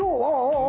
ああ